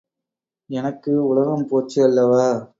எனக்கு உலகம் போச்சு அல்லவா?